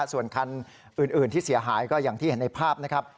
ส่วนคันอื่นที่เสียหายก็อย่างที่เห็นในภาพนะครับ